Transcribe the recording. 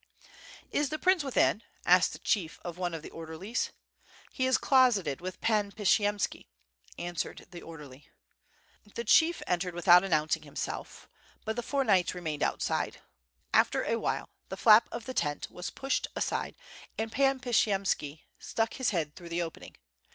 "Is the prince within," asked the chief of one of the order lies. "He is closeted with Pan Pshiyemski," answered the orderly. The chief entered without announcing himself, but the four knights remained outside. After awhile the flap of the tent was pushed aside and Pan Pshiyemski stuck his head through the opening.